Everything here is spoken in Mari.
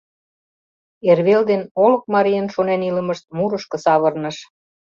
Эрвел ден олык марийын шонен илымышт мурышко савырныш.